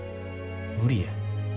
無理や。